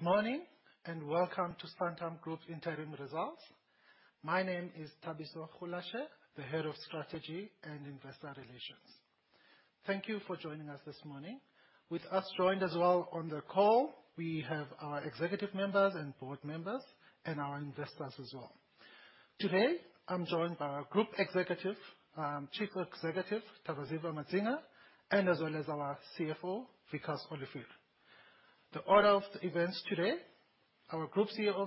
Good morning, and welcome to Santam Group interim results. My name is Thabiso Rulashe, the Head of Strategy and Investor Relations. Thank you for joining us this morning. With us joined as well on the call, we have our executive members and board members and our investors as well. Today, I'm joined by our Group Chief Executive Officer, Tavaziva Madzinga, as well as our Chief Financial Officer, Wikus Olivier. The order of events today, our Group Chief Executive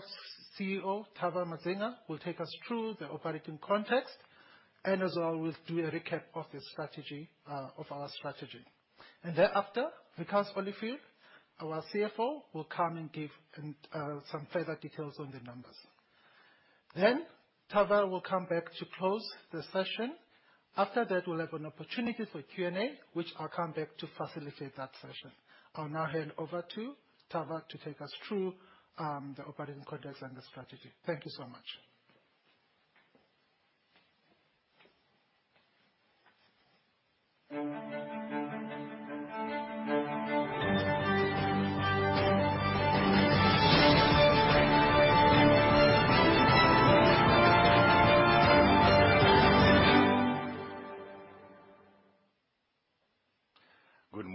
Officer, Tavaziva Madzinga, will take us through the operating context, as well will do a recap of our strategy. Thereafter, Wikus Olivier, our Chief Financial Officer, will come and give some further details on the numbers. Tavaziva will come back to close the session. After that, we'll have an opportunity for Q&A, which I'll come back to facilitate that session. I'll now hand over to Tavaziva to take us through the operating context and the strategy. Thank you so much.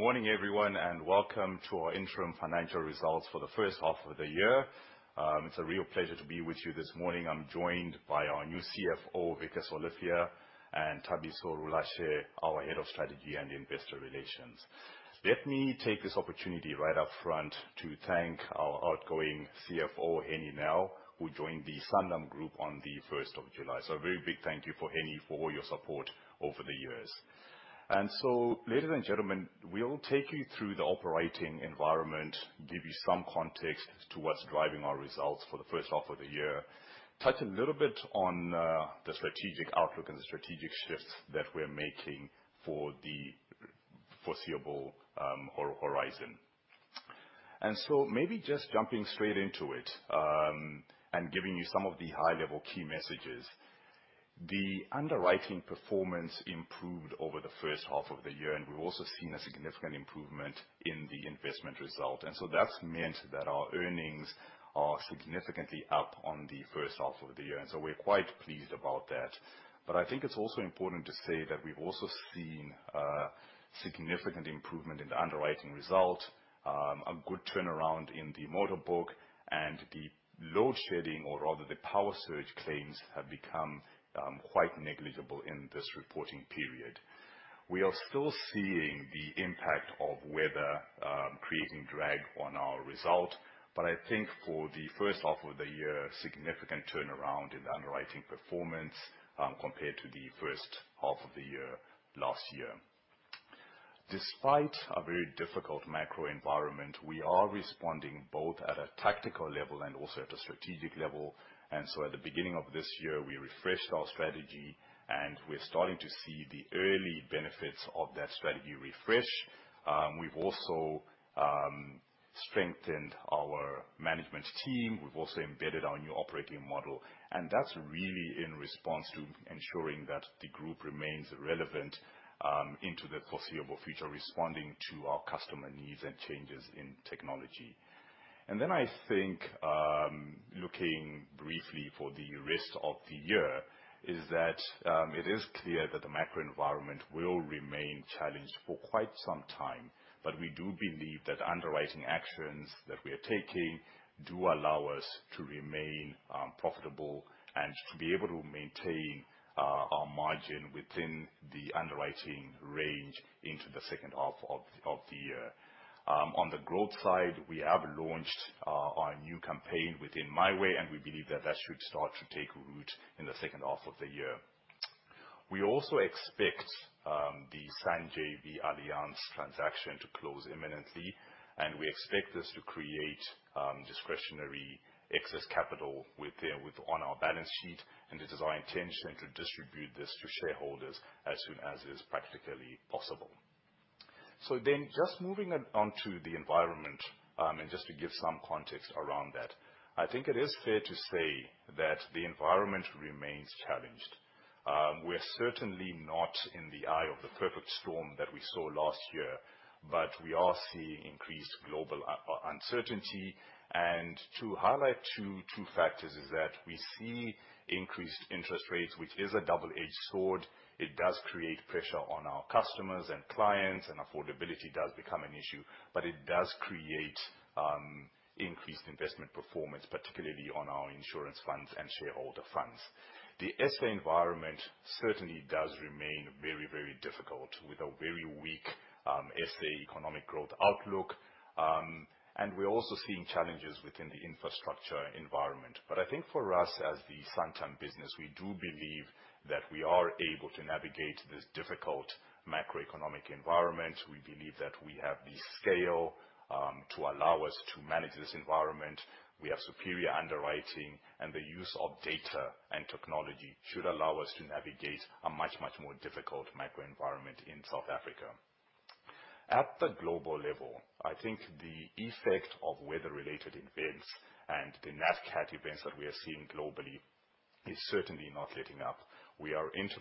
Good morning, everyone, and welcome to our interim financial results for the first half of the year. It's a real pleasure to be with you this morning. I'm joined by our new Chief Financial Officer, Wikus Olivier, and Thabiso Rulashe, our Head of Strategy and Investor Relations. Let me take this opportunity right up front to thank our outgoing Chief Financial Officer, Hennie Nel, who joined the Sanlam Group on the 1st of July. A very big thank you for Hennie for all your support over the years. Ladies and gentlemen, we'll take you through the operating environment, give you some context to what's driving our results for the first half of the year. Touch a little bit on the strategic outlook and the strategic shifts that we're making for the foreseeable horizon. Maybe just jumping straight into it, giving you some of the high-level key messages. The underwriting performance improved over the first half of the year, and we've also seen a significant improvement in the investment result. That's meant that our earnings are significantly up on the first half of the year. We're quite pleased about that. I think it's also important to say that we've also seen a significant improvement in the underwriting result, a good turnaround in the motor book and the load shedding or rather the power surge claims have become quite negligible in this reporting period. We are still seeing the impact of weather creating drag on our result. I think for the first half of the year, significant turnaround in the underwriting performance, compared to the first half of the year last year. Despite a very difficult macro environment, we are responding both at a tactical level and also at a strategic level. At the beginning of this year, we refreshed our strategy, and we're starting to see the early benefits of that strategy refresh. We've also strengthened our management team. We've also embedded our new operating model, and that's really in response to ensuring that the group remains relevant into the foreseeable future, responding to our customer needs and changes in technology. I think, looking briefly for the rest of the year, is that it is clear that the macro environment will remain challenged for quite some time. We do believe that underwriting actions that we are taking do allow us to remain profitable and to be able to maintain our margin within the underwriting range into the second half of the year. On the growth side, we have launched our new campaign within MiWay, and we believe that that should start to take root in the second half of the year. We also expect the Sanlam Allianz JV transaction to close imminently, and we expect this to create discretionary excess capital on our balance sheet, and it is our intention to distribute this to shareholders as soon as is practically possible. Just moving onto the environment, and just to give some context around that. I think it is fair to say that the environment remains challenged. We're certainly not in the eye of the perfect storm that we saw last year, but we are seeing increased global uncertainty. To highlight two factors is that we see increased interest rates, which is a double-edged sword. It does create pressure on our customers and clients, and affordability does become an issue, it does create increased investment performance, particularly on our insurance funds and shareholder funds. The S.A. environment certainly does remain very, very difficult with a very weak S.A. economic growth outlook. We're also seeing challenges within the infrastructure environment. I think for us as the Santam business, we do believe that we are able to navigate this difficult macroeconomic environment. We believe that we have the scale to allow us to manage this environment. We have superior underwriting and the use of data and technology should allow us to navigate a much, much more difficult macro environment in South Africa. At the global level, I think the effect of weather-related events and the NatCat events that we are seeing globally is certainly not letting up. We are into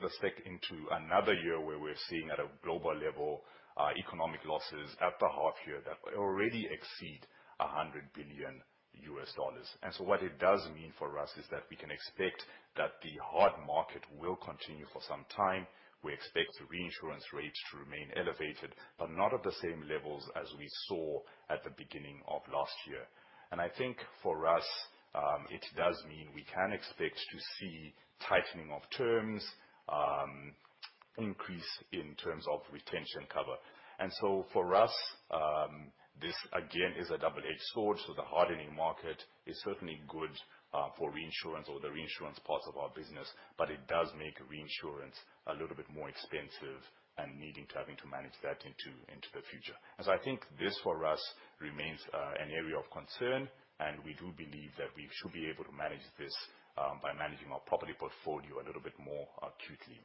another year where we're seeing, at a global level, economic losses at the half year that already exceed $100 billion. What it does mean for us is that we can expect that the hard market will continue for some time. We expect reinsurance rates to remain elevated, not at the same levels as we saw at the beginning of last year. I think for us, it does mean we can expect to see tightening of terms, increase in terms of retention cover. For us, this again is a double-edged sword. The hardening market is certainly good for reinsurance or the reinsurance parts of our business, it does make reinsurance a little bit more expensive and needing to having to manage that into the future. I think this, for us, remains an area of concern, and we do believe that we should be able to manage this by managing our property portfolio a little bit more acutely.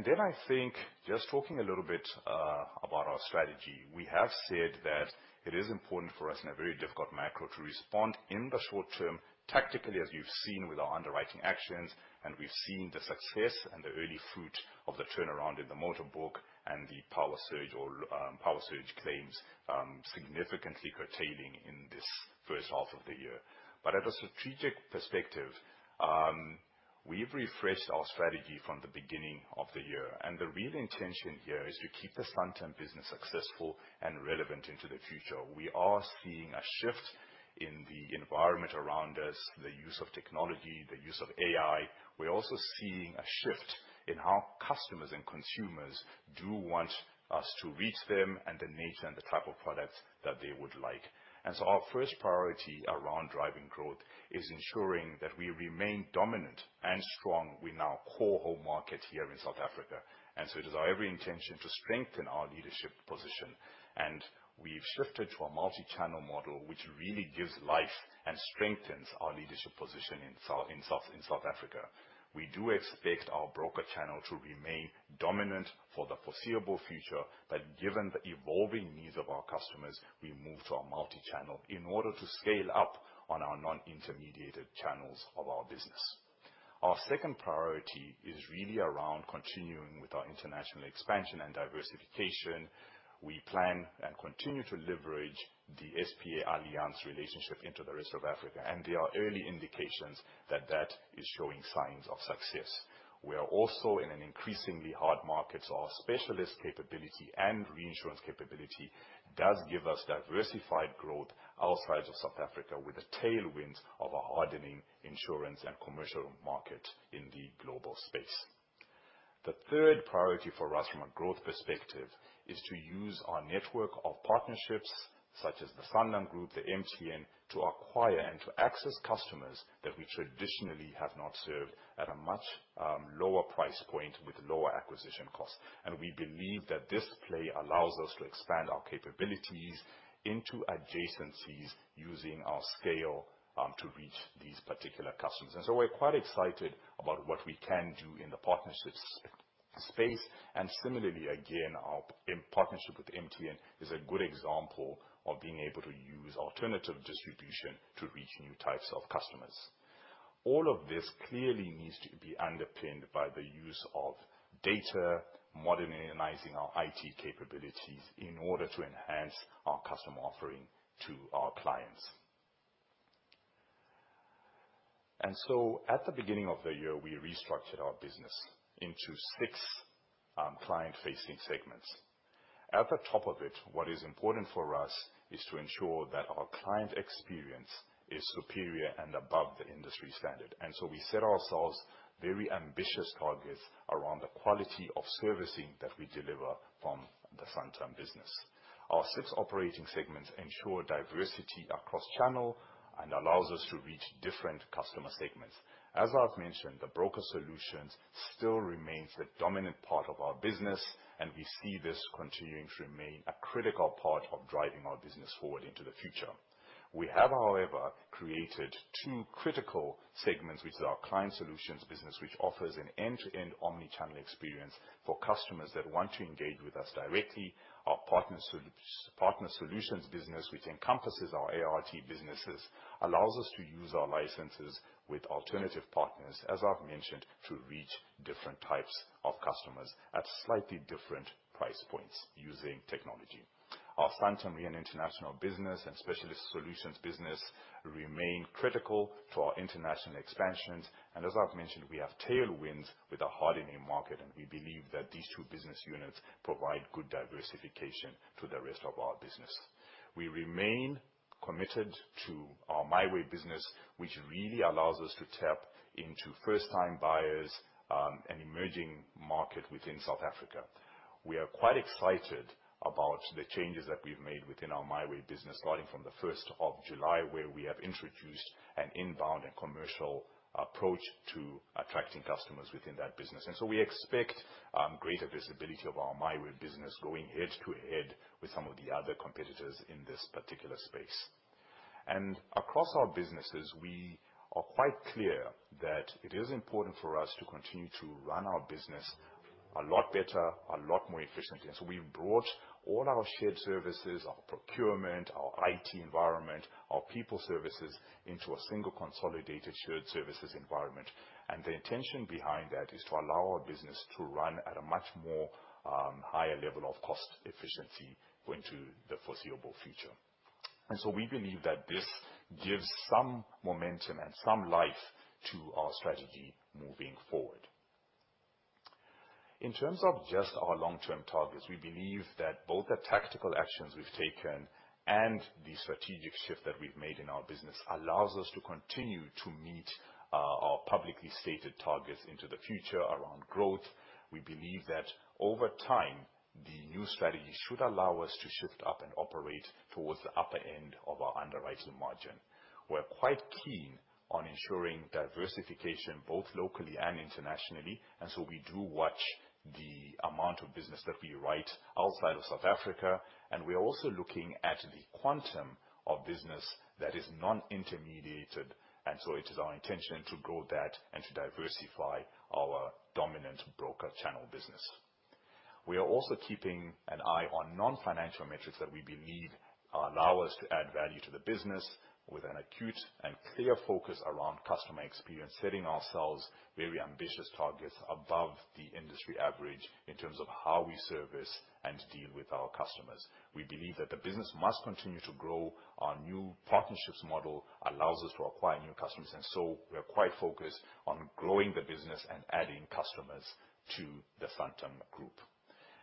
Then I think, just talking a little bit about our strategy, we have said that it is important for us in a very difficult macro to respond in the short term, tactically, as you've seen with our underwriting actions, and we've seen the success and the early fruit of the turnaround in the motor book and the power surge claims significantly curtailing in this first half of the year. At a strategic perspective, we've refreshed our strategy from the beginning of the year. The real intention here is to keep the Santam business successful and relevant into the future. We are seeing a shift in the environment around us, the use of technology, the use of AI. We're also seeing a shift in how customers and consumers do want us to reach them and the nature and the type of products that they would like. Our first priority around driving growth is ensuring that we remain dominant and strong with our core home market here in South Africa. It is our every intention to strengthen our leadership position. We've shifted to a multi-channel model, which really gives life and strengthens our leadership position in South Africa. We do expect our broker channel to remain dominant for the foreseeable future, but given the evolving needs of our customers, we move to a multi-channel in order to scale up on our non-intermediated channels of our business. Our second priority is really around continuing with our international expansion and diversification. We plan and continue to leverage the SPA Alliance relationship into the rest of Africa, and there are early indications that that is showing signs of success. We are also in an increasingly hard market, so our specialist capability and reinsurance capability does give us diversified growth outside of South Africa with a tailwind of a hardening insurance and commercial market in the global space. The third priority for us from a growth perspective is to use our network of partnerships such as the Sanlam Group, the MTN, to acquire and to access customers that we traditionally have not served at a much lower price point with lower acquisition costs. We believe that this play allows us to expand our capabilities into adjacencies using our scale to reach these particular customers. We're quite excited about what we can do in the partnerships space. Similarly, again, our partnership with MTN is a good example of being able to use alternative distribution to reach new types of customers. All of this clearly needs to be underpinned by the use of data, modernizing our IT capabilities in order to enhance our customer offering to our clients. At the beginning of the year, we restructured our business into six client-facing segments. At the top of it, what is important for us is to ensure that our client experience is superior and above the industry standard. We set ourselves very ambitious targets around the quality of servicing that we deliver from the Santam business. Our six operating segments ensure diversity across channel and allows us to reach different customer segments. As I've mentioned, the Broker Solutions still remains the dominant part of our business, and we see this continuing to remain a critical part of driving our business forward into the future. We have, however, created two critical segments, which is our Client Solutions business, which offers an end-to-end omni-channel experience for customers that want to engage with us directly. Our Partner Solutions business, which encompasses our ART businesses, allows us to use our licenses with alternative partners, as I've mentioned, to reach different types of customers at slightly different price points using technology. Our Santam Re and International business and Specialist Solutions business remain critical to our international expansions. As I've mentioned, we have tailwinds with the hardening market, and we believe that these two business units provide good diversification to the rest of our business. We remain committed to our MiWay business, which really allows us to tap into first-time buyers, an emerging market within South Africa. We are quite excited about the changes that we've made within our MiWay business, starting from the 1st of July, where we have introduced an inbound and commercial approach to attracting customers within that business. We expect greater visibility of our MiWay business going head-to-head with some of the other competitors in this particular space. Across our businesses, we are quite clear that it is important for us to continue to run our business a lot better, a lot more efficiently. We brought all our shared services, our procurement, our IT environment, our people services, into a single consolidated shared services environment. The intention behind that is to allow our business to run at a much more higher level of cost efficiency going to the foreseeable future. We believe that this gives some momentum and some life to our strategy moving forward. In terms of just our long-term targets, we believe that both the tactical actions we've taken and the strategic shift that we've made in our business allows us to continue to meet our publicly stated targets into the future around growth. We believe that over time, the new strategy should allow us to shift up and operate towards the upper end of our underwriting margin. We're quite keen on ensuring diversification both locally and internationally, we do watch the amount of business that we write outside of South Africa, and we are also looking at the quantum of business that is non-intermediated. It is our intention to grow that and to diversify our dominant broker channel business. We are also keeping an eye on non-financial metrics that we believe allow us to add value to the business with an acute and clear focus around customer experience, setting ourselves very ambitious targets above the industry average in terms of how we service and deal with our customers. We believe that the business must continue to grow. Our new partnerships model allows us to acquire new customers, we are quite focused on growing the business and adding customers to the Santam Group.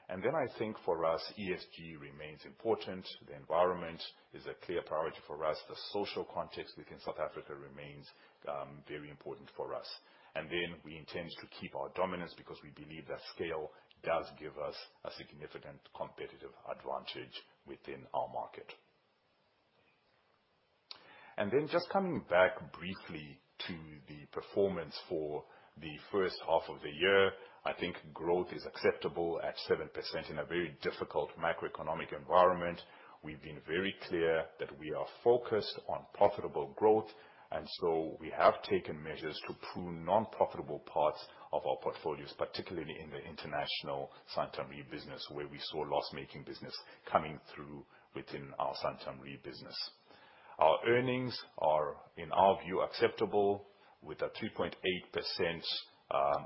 I think for us, ESG remains important. The environment is a clear priority for us. The social context within South Africa remains very important for us. We intend to keep our dominance because we believe that scale does give us a significant competitive advantage within our market. Coming back briefly to the performance for the first half of the year, I think growth is acceptable at 7% in a very difficult macroeconomic environment. We've been very clear that we are focused on profitable growth, and so we have taken measures to prune non-profitable parts of our portfolios, particularly in the international Santam Re business, where we saw loss-making business coming through within our Santam Re business. Our earnings are, in our view, acceptable, with a 3.8%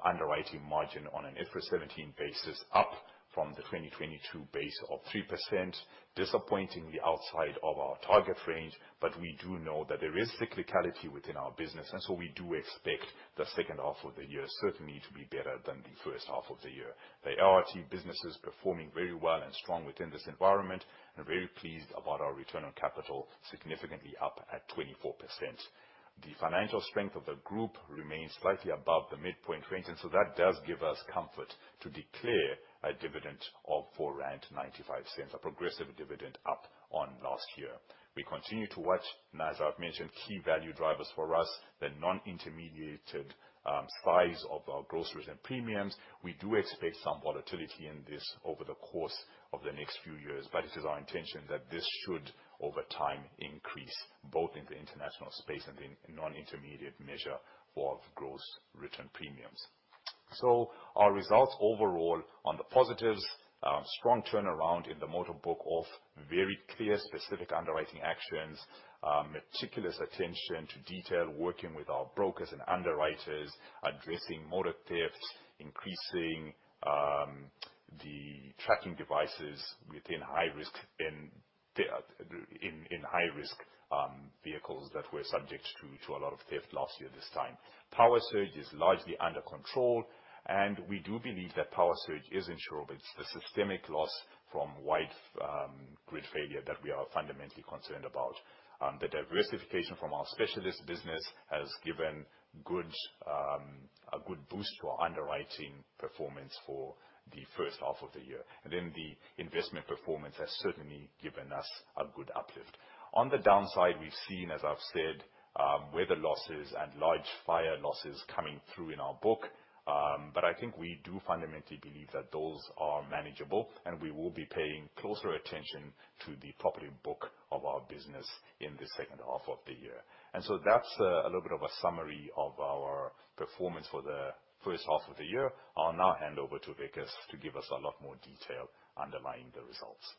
underwriting margin on an IFRS 17 basis, up from the 2022 base of 3%, disappointingly outside of our target range. We do know that there is cyclicality within our business, and so we do expect the second half of the year certainly to be better than the first half of the year. The ART business is performing very well and strong within this environment and very pleased about our return on capital, significantly up at 24%. The financial strength of the group remains slightly above the midpoint range, and so that does give us comfort to declare a dividend of 4.95 rand, a progressive dividend up on last year. We continue to watch, and as I've mentioned, key value drivers for us, the non-intermediated size of our gross written premiums. We do expect some volatility in this over the course of the next few years, it is our intention that this should, over time, increase both in the international space and in non-intermediate measure of gross written premiums. Our results overall on the positives, strong turnaround in the motor book of very clear specific underwriting actions, meticulous attention to detail, working with our brokers and underwriters, addressing motor theft, increasing the tracking devices within high-risk vehicles that were subject to a lot of theft last year this time. Power surge is largely under control, and we do believe that power surge is insurable. It's the systemic loss from wide grid failure that we are fundamentally concerned about. The diversification from our specialist business has given a good boost to our underwriting performance for the first half of the year. The investment performance has certainly given us a good uplift. On the downside, we've seen, as I've said, weather losses and large fire losses coming through in our book. I think we do fundamentally believe that those are manageable, and we will be paying closer attention to the property book of our business in the second half of the year. That's a little bit of a summary of our performance for the first half of the year. I'll now hand over to Wikus to give us a lot more detail underlying the results.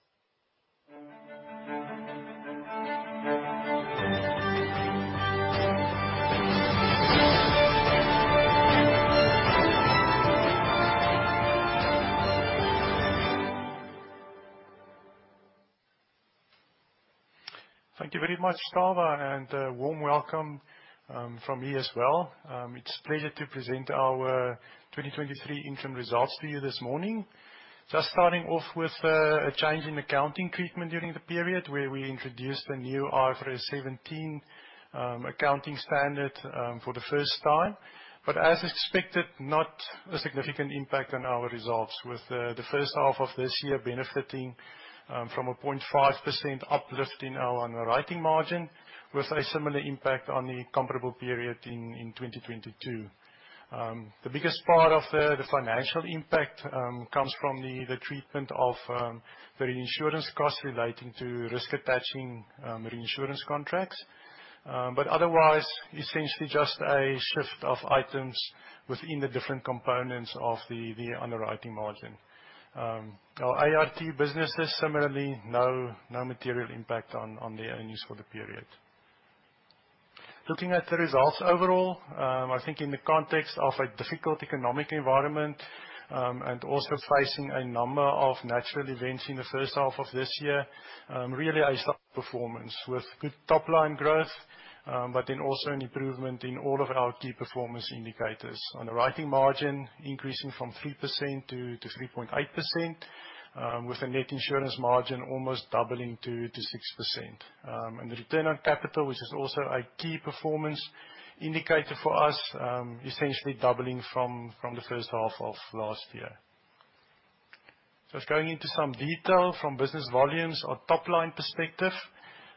Thank you very much, Tava, and a warm welcome from me as well. It is a pleasure to present our 2023 interim results to you this morning. Just starting off with a change in accounting treatment during the period where we introduced a new IFRS 17 accounting standard for the first time. As expected, not a significant impact on our results with the first half of this year benefiting from a 0.5% uplift in our underwriting margin with a similar impact on the comparable period in 2022. The biggest part of the financial impact comes from the treatment of the reinsurance cost relating to risk attaching reinsurance contracts. Otherwise, essentially just a shift of items within the different components of the underwriting margin. Our ART businesses, similarly, no material impact on the earnings for the period. Looking at the results overall, I think in the context of a difficult economic environment, and also facing a number of natural events in the first half of this year, really a solid performance with good top-line growth, but then also an improvement in all of our key performance indicators. On the writing margin, increasing from 3% to 3.8%, with the net insurance margin almost doubling to 6%. The return on capital, which is also a key performance indicator for us, essentially doubling from the first half of last year. Going into some detail from business volumes or top-line perspective.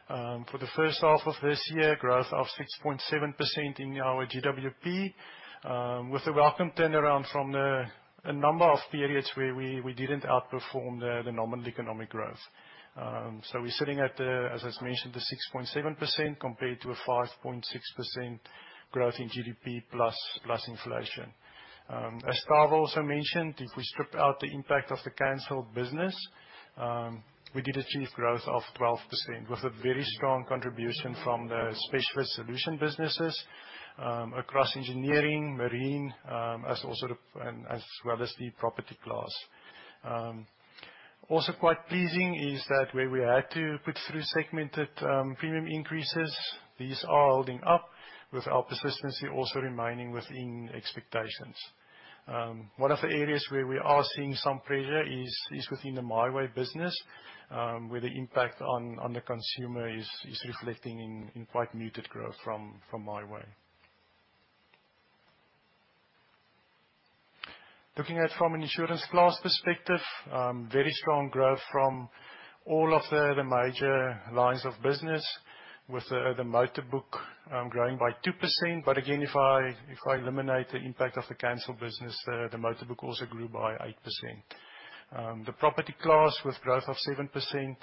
For the first half of this year, growth of 6.7% in our GWP, with a welcome turnaround from a number of periods where we did not outperform the nominal economic growth. We are sitting at the, as I mentioned, the 6.7% compared to a 5.6% growth in GDP plus inflation. As Tava also mentioned, if we strip out the impact of the canceled business, we did achieve growth of 12% with a very strong contribution from the Specialist Solutions businesses across engineering, marine, as well as the property class. Also quite pleasing is that where we had to put through segmented premium increases, these are holding up with our persistency also remaining within expectations. One of the areas where we are seeing some pressure is within the MiWay business, where the impact on the consumer is reflecting in quite muted growth from MiWay. Looking at from an insurance class perspective, very strong growth from all of the major lines of business with the motor book growing by 2%. Again, if I eliminate the impact of the canceled business, the motor book also grew by 8%. The property class with growth of 7%,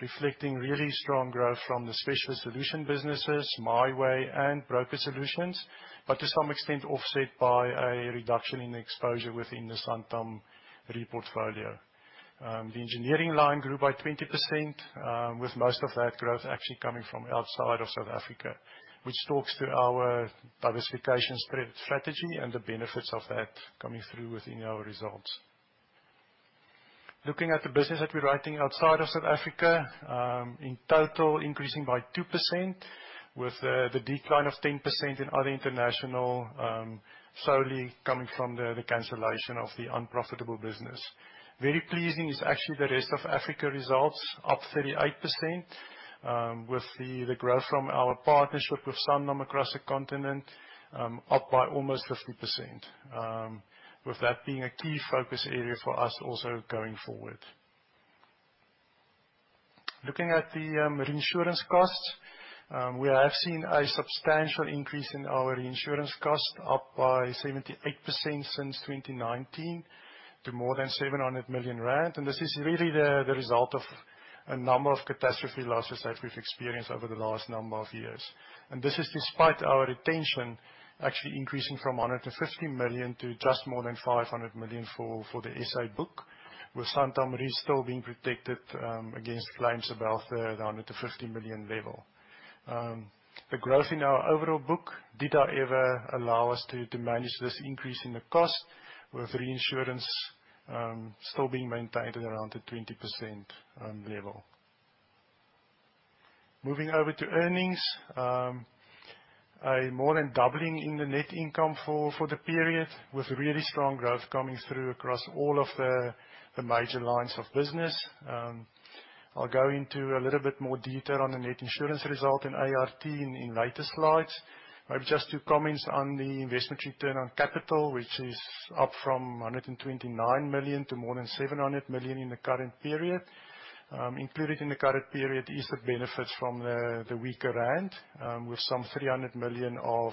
reflecting really strong growth from the Specialist Solutions businesses, MiWay and Broker Solutions, but to some extent offset by a reduction in exposure within the Santam Re portfolio. The engineering line grew by 20%, with most of that growth actually coming from outside of South Africa, which talks to our diversification strategy and the benefits of that coming through within our results. Looking at the business that we are writing outside of South Africa, in total increasing by 2% with the decline of 10% in other international, solely coming from the cancellation of the unprofitable business. Very pleasing is actually the rest of Africa results up 38%, with the growth from our partnership with Sanlam across the continent up by almost 50%, with that being a key focus area for us also going forward. Looking at the reinsurance costs, we have seen a substantial increase in our reinsurance cost, up by 78% since 2019 to more than 700 million rand. This is really the result of a number of catastrophe losses that we've experienced over the last number of years. This is despite our retention actually increasing from 150 million to just more than 500 million for the SA book, with Santam Re still being protected against claims above the 150 million level. The growth in our overall book did however allow us to manage this increase in the cost with reinsurance still being maintained at around the 20% level. Moving over to earnings. A more than doubling in the net income for the period with really strong growth coming through across all of the major lines of business. I'll go into a little bit more detail on the net insurance result in ART in later slides. Maybe just to comment on the investment return on capital, which is up from 129 million to more than 700 million in the current period. Included in the current period is the benefit from the weaker rand, with some 300 million of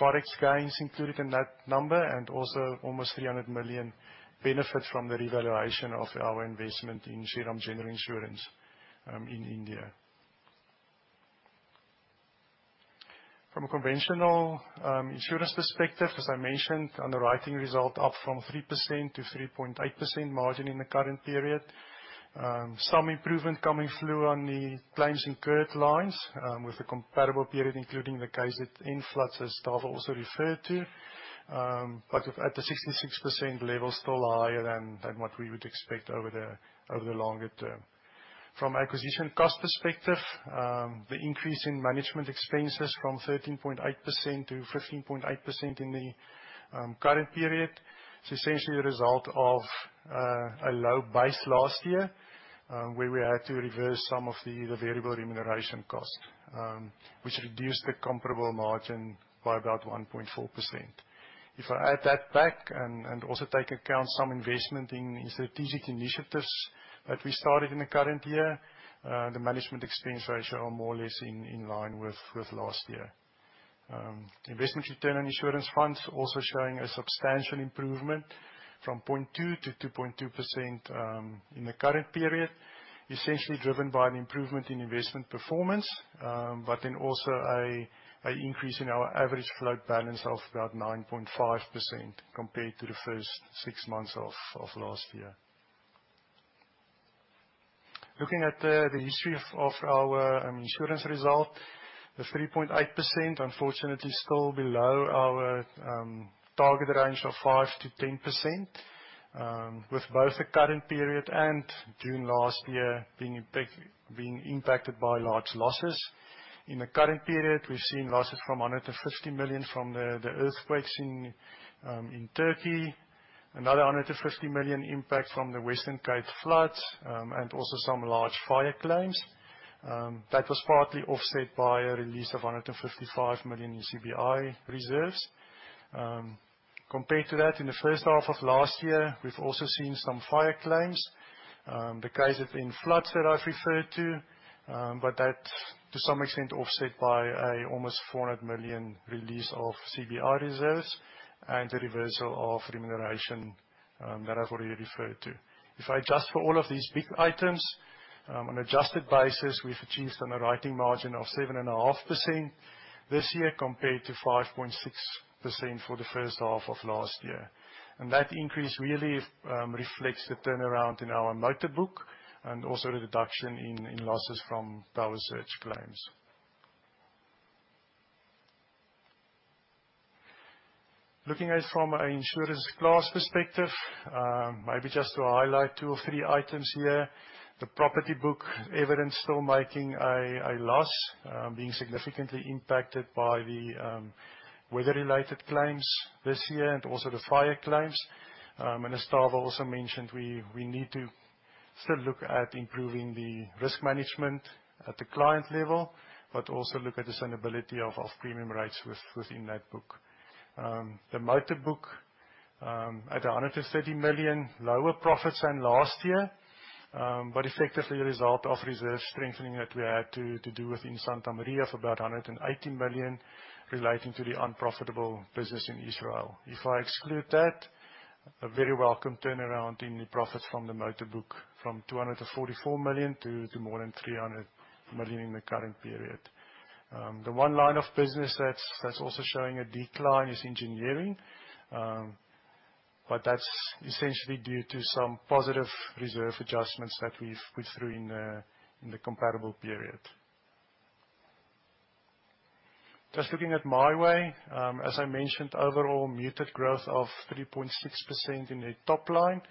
Forex gains included in that number, also almost 300 million benefit from the revaluation of our investment in Shriram General Insurance in India. From a conventional insurance perspective, as I mentioned, underwriting result up from 3% to 3.8% margin in the current period. Some improvement coming through on the claims incurred lines, with the comparable period including the cases in floods, as Tavaziva also referred to. At the 66% level, still higher than what we would expect over the longer term. From acquisition cost perspective, the increase in management expenses from 13.8% to 15.8% in the current period is essentially a result of a low base last year, where we had to reverse some of the variable remuneration cost, which reduced the comparable margin by about 1.4%. If I add that back and also take account some investment in strategic initiatives that we started in the current year, the management expense ratio are more or less in line with last year. Investment return on insurance funds also showing a substantial improvement from 0.2% to 2.2% in the current period, essentially driven by an improvement in investment performance, but then also an increase in our average float balance of about 9.5% compared to the first six months of last year. Looking at the history of our insurance result, the 3.8%, unfortunately still below our target range of 5%-10%, with both the current period and June last year being impacted by large losses. In the current period, we're seeing losses from 150 million from the earthquakes in Turkey, another 150 million impact from the Western Cape floods, and also some large fire claims. That was partly offset by a release of 155 million in CBI reserves. Compared to that, in the first half of last year, we've also seen some fire claims. The Western Cape floods that I've referred to, but that to some extent offset by a almost 400 million release of CBI reserves and the reversal of remuneration, that I've already referred to. If I adjust for all of these big items, on adjusted basis, we've achieved an underwriting margin of 7.5% this year compared to 5.6% for the first half of last year. And that increase really reflects the turnaround in our motor book and also the reduction in losses from power surge claims. Looking at it from an insurance class perspective, maybe just to highlight two or three items here. The property book evidence still making a loss, being significantly impacted by the weather-related claims this year and also the fire claims. And as Tava also mentioned, we need to still look at improving the risk management at the client level, but also look at the sustainability of premium rates within that book. The motor book at 130 million, lower profits than last year, but effectively a result of reserve strengthening that we had to do within Santam Re for about 180 million relating to the unprofitable business in Israel. If I exclude that, a very welcome turnaround in the profits from the motor book from 244 million to more than 300 million in the current period. The one line of business that's also showing a decline is engineering. But that's essentially due to some positive reserve adjustments that we've put through in the comparable period. Just looking at MiWay, as I mentioned, overall muted growth of 3.6% in the top line.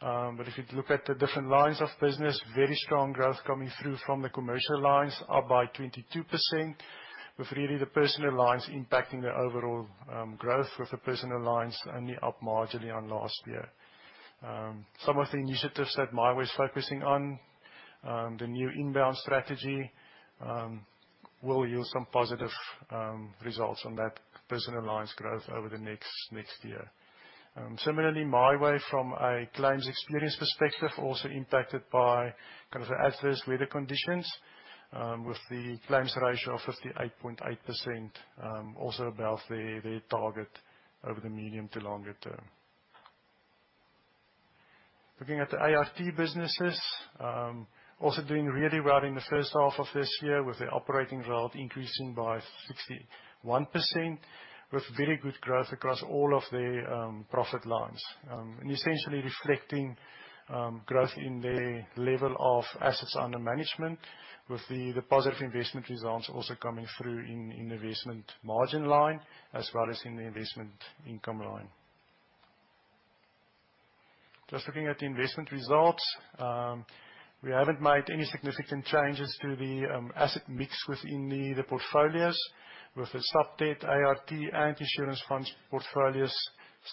But if you look at the different lines of business, very strong growth coming through from the commercial lines up by 22%, with really the personal lines impacting the overall growth with the personal lines only up marginally on last year. Some of the initiatives that MiWay is focusing on, the new inbound strategy, will yield some positive results on that personal lines growth over the next year. Similarly, MiWay from a claims experience perspective, also impacted by kind of adverse weather conditions, with the claims ratio of 58.8%, also above their target over the medium to longer term. Looking at the ART businesses, also doing really well in the first half of this year with their operating result increasing by 61%, with very good growth across all of their profit lines. And essentially reflecting growth in their level of assets under management with the positive investment results also coming through in investment margin line as well as in the investment income line. Just looking at the investment results. We haven't made any significant changes to the asset mix within the portfolios. With the subordinated debt ART and insurance funds portfolios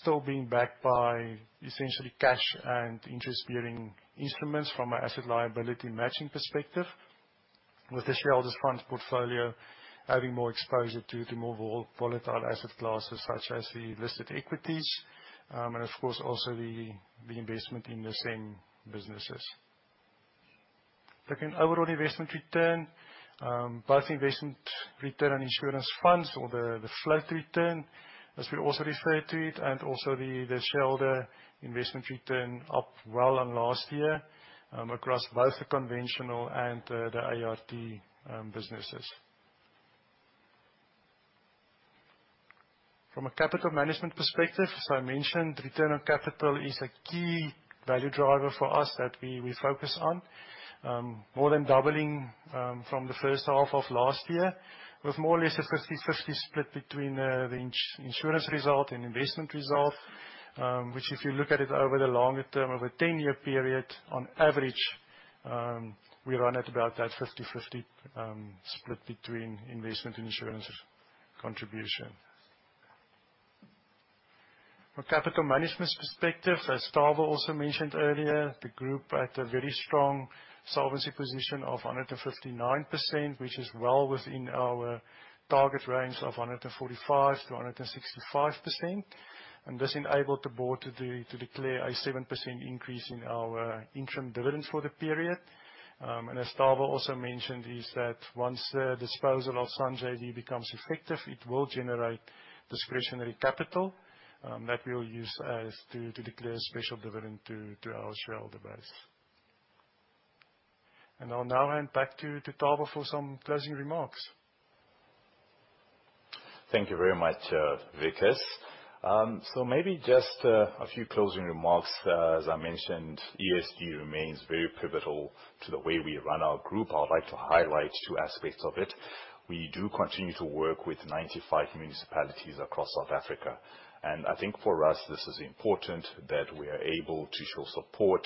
still being backed by essentially cash and interest-bearing instruments from an asset liability matching perspective, with the shareholders' funds portfolio having more exposure to more volatile asset classes such as the listed equities. And of course, also the investment in the Santam businesses. Looking at overall investment return, both investment return and insurance funds or the float return, as we also refer to it, and also the shareholder investment return up well on last year, across both the conventional and the ART businesses. From a capital management perspective, as I mentioned, return on capital is a key value driver for us that we focus on. More than doubling from the first half of last year with more or less a 50/50 split between the insurance result and investment result. If you look at it over the longer term, over a 10-year period, on average, we run at about that 50/50 split between investment and insurance contribution. From a capital management perspective, as Tava also mentioned earlier, the group had a very strong solvency position of 159%, which is well within our target range of 145%-165%. This enabled the board to declare a 7% increase in our interim dividends for the period. As Tava also mentioned, once the disposal of Sanlam Allianz JV becomes effective, it will generate discretionary capital that we'll use to declare a special dividend to our shareholder base. I'll now hand back to Tava for some closing remarks. Thank you very much, Wikus. Maybe just a few closing remarks. As I mentioned, ESG remains very pivotal to the way we run our group. I would like to highlight two aspects of it. We do continue to work with 95 municipalities across South Africa. I think for us, this is important that we are able to show support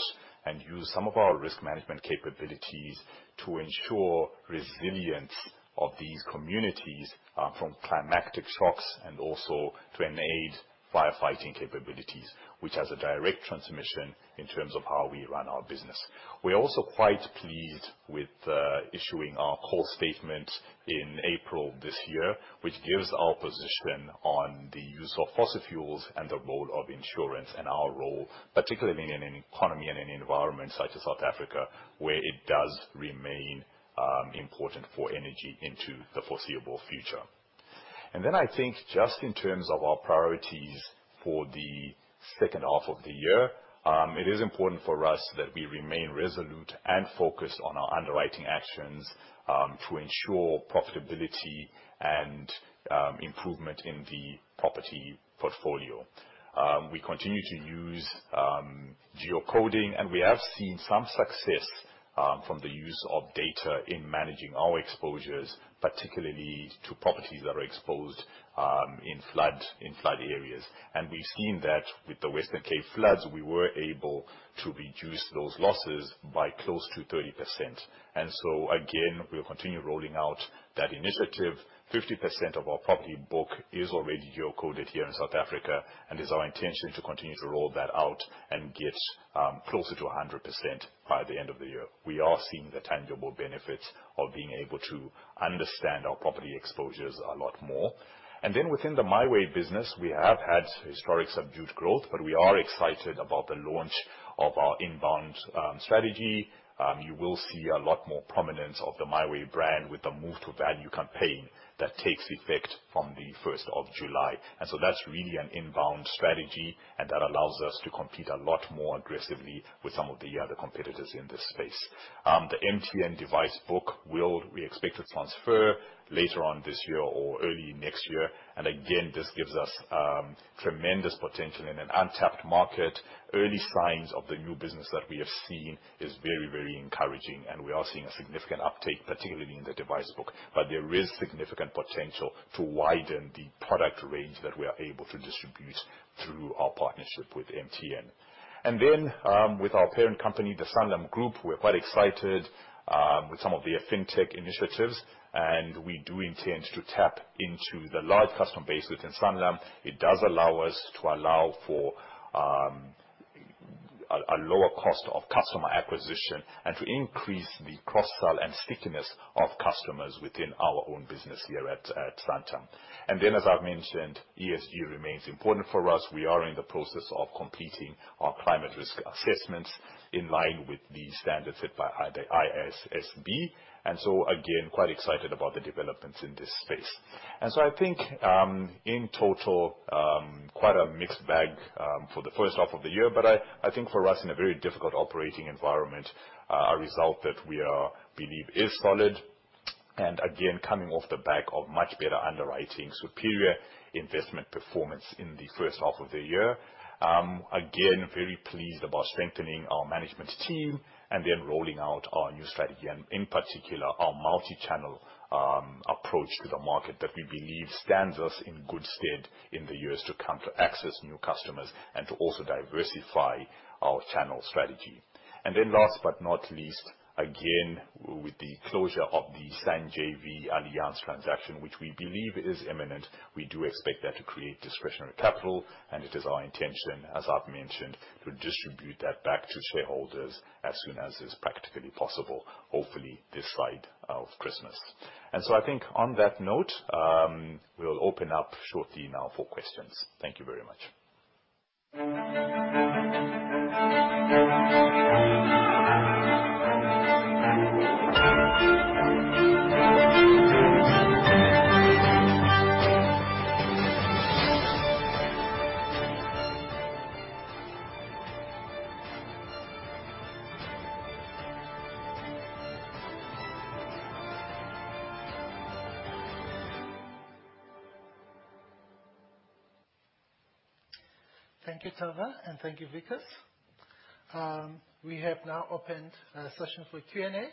and use some of our risk management capabilities to ensure resilience of these communities, from climactic shocks and also to aid firefighting capabilities, which has a direct transmission in terms of how we run our business. We are also quite pleased with issuing our coal position statement in April this year, which gives our position on the use of fossil fuels and the role of insurance and our role, particularly being in an economy and an environment such as South Africa, where it does remain important for energy into the foreseeable future. I think just in terms of our priorities for the second half of the year, it is important for us that we remain resolute and focused on our underwriting actions, to ensure profitability and improvement in the property portfolio. We continue to use geocoding, we have seen some success from the use of data in managing our exposures, particularly to properties that are exposed in flood areas. We've seen that with the Western Cape floods, we were able to reduce those losses by close to 30%. Again, we'll continue rolling out that initiative. 50% of our property book is already geocoded here in South Africa, and it's our intention to continue to roll that out and get closer to 100% by the end of the year. We are seeing the tangible benefits of being able to understand our property exposures a lot more. Within the MiWay business, we have had historic subdued growth, but we are excited about the launch of our inbound strategy. You will see a lot more prominence of the MiWay brand with the Move for Value campaign that takes effect from the 1st of July. That's really an inbound strategy, and that allows us to compete a lot more aggressively with some of the other competitors in this space. The MTN device book we expect to transfer later on this year or early next year. Again, this gives us tremendous potential in an untapped market. Early signs of the new business that we have seen is very encouraging, and we are seeing a significant uptake, particularly in the device book. There is significant potential to widen the product range that we are able to distribute through our partnership with MTN. With our parent company, the Sanlam Group, we're quite excited with some of their fintech initiatives, and we do intend to tap into the large customer base within Sanlam. It does allow us to allow for a lower cost of customer acquisition and to increase the cross-sell and stickiness of customers within our own business here at Santam. As I've mentioned, ESG remains important for us. We are in the process of completing our climate risk assessments in line with the standards set by the ISSB. Again, quite excited about the developments in this space. I think, in total, quite a mixed bag for the first half of the year. I think for us, in a very difficult operating environment, our result that we believe is solid. Again, coming off the back of much better underwriting, superior investment performance in the first half of the year. Very pleased about strengthening our management team and then rolling out our new strategy and in particular, our multi-channel approach to the market that we believe stands us in good stead in the years to come to access new customers and to also diversify our channel strategy. Last but not least, again, with the closure of the Sanlam Allianz JV transaction, which we believe is imminent, we do expect that to create discretionary capital, and it is our intention, as I've mentioned, to distribute that back to shareholders as soon as is practically possible, hopefully this side of Christmas. I think on that note, we'll open up shortly now for questions. Thank you very much. Thank you, Tarva, and thank you, Wikus. We have now opened a session for Q&A.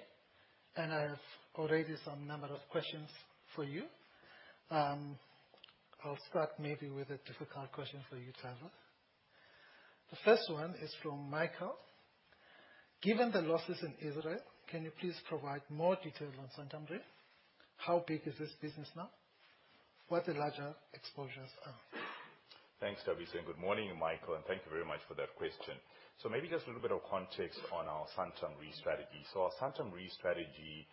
I have already some number of questions for you. I will start maybe with a difficult question for you, Tarva. The first one is from Michael. Given the losses in Israel, can you please provide more detail on Santam Re? How big is this business now? What the larger exposures are. Thanks, Thabiso, and good morning, Michael, and thank you very much for that question. Maybe just a little bit of context on our Santam Re strategy. Our Santam Re strategy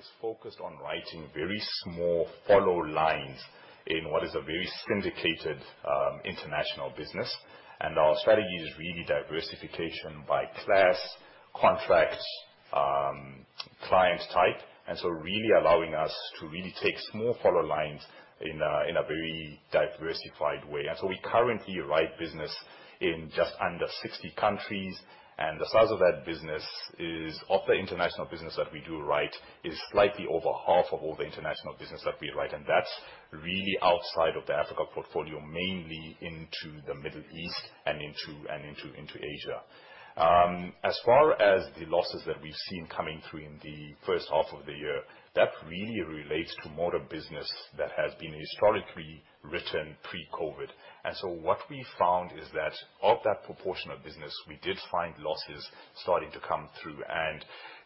is focused on writing very small follow lines in what is a very syndicated international business. Our strategy is really diversification by class, contract, client type, really allowing us to really take small follow lines in a very diversified way. We currently write business in just under 60 countries. The size of that business is, of the international business that we do write, is slightly over half of all the international business that we write, and that's really outside of the Africa portfolio, mainly into the Middle East and into Asia. As far as the losses that we've seen coming through in the first half of the year, that really relates to motor business that has been historically written pre-COVID. What we found is that of that proportional business, we did find losses starting to come through.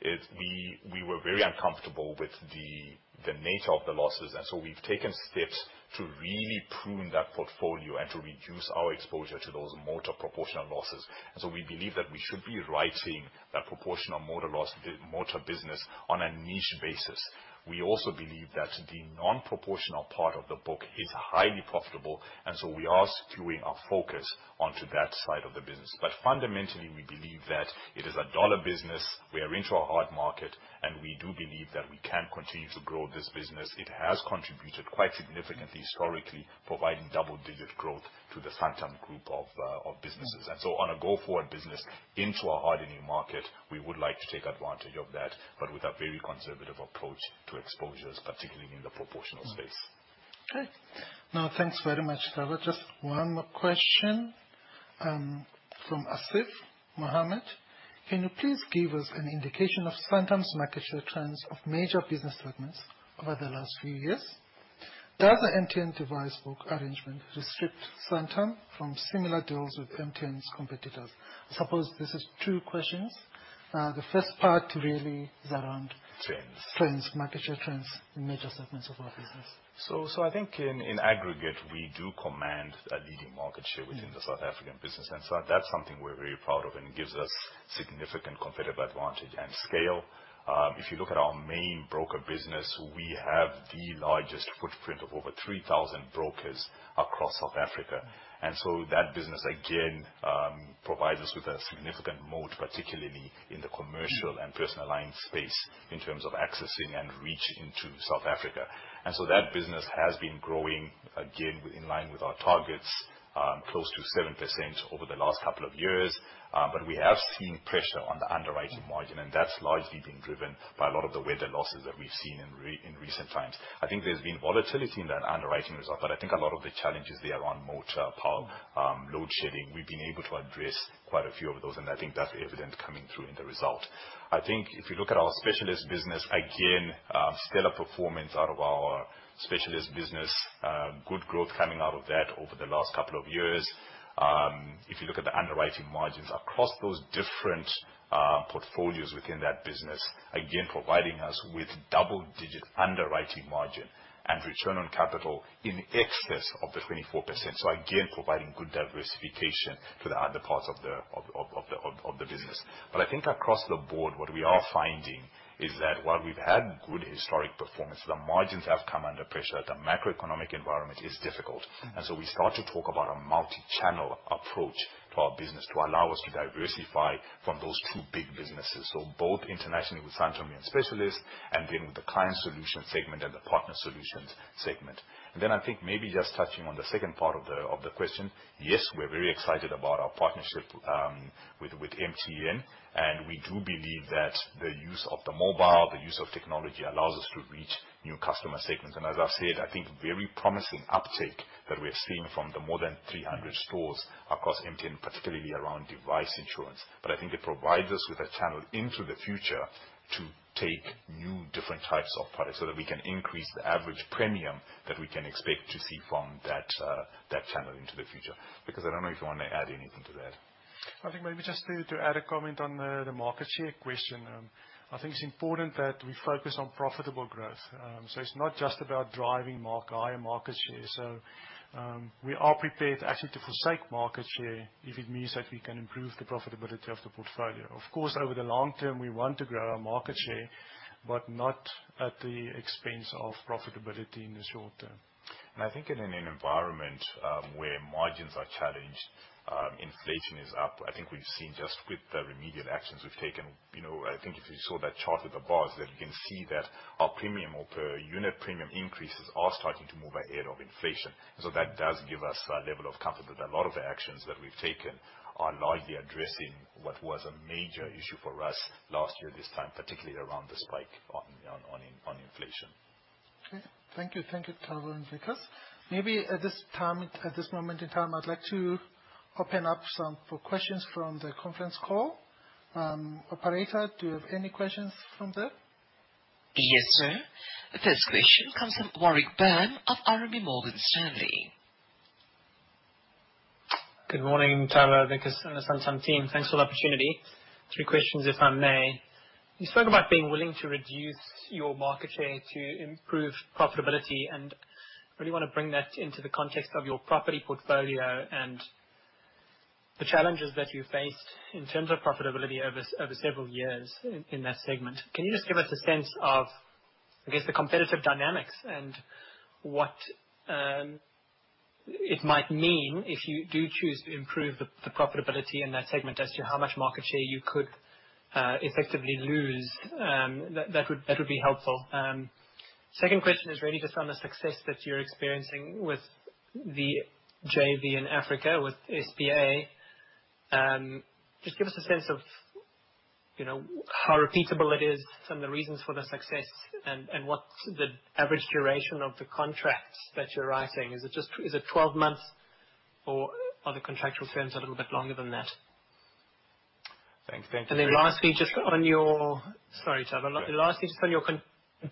We were very uncomfortable with the nature of the losses, and so we've taken steps to really prune that portfolio and to reduce our exposure to those motor proportional losses. We believe that we should be writing that proportional motor business on a niche basis. We also believe that the non-proportional part of the book is highly profitable, and so we are skewing our focus onto that side of the business. Fundamentally, we believe that it is a dollar business. We are into a hard market, and we do believe that we can continue to grow this business. It has contributed quite significantly historically, providing double-digit growth to the Santam Group of businesses. On a go-forward business into a hardening market, we would like to take advantage of that, but with a very conservative approach to exposures, particularly in the proportional space. Okay. No, thanks very much, Tavaziva. Just one more question, from Asif Mohamed. Can you please give us an indication of Santam's market share trends of major business segments over the last few years? Does the MTN device book arrangement restrict Santam from similar deals with MTN's competitors? I suppose this is two questions. Trends trends, market share trends in major segments of our business. I think in aggregate, we do command a leading market share within the South African business. That's something we're very proud of and gives us significant competitive advantage and scale. If you look at our main broker business, we have the largest footprint of over 3,000 brokers across South Africa. That business again, provides us with a significant moat, particularly in the commercial and personal line space in terms of accessing and reach into South Africa. That business has been growing again in line with our targets, close to 7% over the last couple of years. We have seen pressure on the underwriting margin, and that's largely been driven by a lot of the weather losses that we've seen in recent times. I think there's been volatility in that underwriting result, but I think a lot of the challenges there around motor, power, load shedding, we've been able to address quite a few of those, and I think that's evident coming through in the result. I think if you look at our specialist business, again, stellar performance out of our specialist business. Good growth coming out of that over the last couple of years. If you look at the underwriting margins across those different portfolios within that business, again, providing us with double-digit underwriting margin and return on capital in excess of the 24%. Again, providing good diversification to the other parts of the business. I think across the board, what we are finding is that while we've had good historic performance, the margins have come under pressure. The macroeconomic environment is difficult. We start to talk about a multi-channel approach to our business to allow us to diversify from those two big businesses. Both internationally with Santam and Specialist, and then with the Client Solutions segment and the Partner Solutions segment. I think maybe just touching on the second part of the question, Yes, we're very excited about our partnership with MTN, and we do believe that the use of the mobile, the use of technology allows us to reach new customer segments. As I've said, I think very promising uptake that we're seeing from the more than 300 stores across MTN, particularly around device insurance. I think it provides us with a channel into the future to take new, different types of products so that we can increase the average premium that we can expect to see from that channel into the future. Wikus, I don't know if you want to add anything to that. I think maybe just to add a comment on the market share question. I think it's important that we focus on profitable growth. It's not just about driving higher market share. We are prepared actually to forsake market share if it means that we can improve the profitability of the portfolio. Of course, over the long term, we want to grow our market share, but not at the expense of profitability in the short term. I think in an environment where margins are challenged, inflation is up. We've seen just with the remedial actions we've taken, if you saw that chart with the bars, that you can see that our premium or per unit premium increases are starting to move ahead of inflation. That does give us a level of comfort that a lot of the actions that we've taken are largely addressing what was a major issue for us last year this time, particularly around the spike on inflation. Okay. Thank you. Thank you, Tava and Wikus. Maybe at this moment in time, I'd like to open up some for questions from the conference call. Operator, do you have any questions from there? Yes, sir. The first question comes from Warwick Byrne of RMB Morgan Stanley. Good morning, Tava, Wikus, and the Santam team. Thanks for the opportunity. Three questions, if I may. You spoke about being willing to reduce your market share to improve profitability. Really want to bring that into the context of your property portfolio and the challenges that you faced in terms of profitability over several years in that segment, can you just give us a sense of, I guess, the competitive dynamics and what it might mean if you do choose to improve the profitability in that segment as to how much market share you could effectively lose? That would be helpful. Second question is really just on the success that you're experiencing with the JV in Africa with SPA. Just give us a sense of how repeatable it is, some of the reasons for the success, and what's the average duration of the contracts that you're writing. Is it 12 months, or are the contractual terms a little bit longer than that? Thanks. Lastly, just on your, sorry, Tava. Lastly, just on your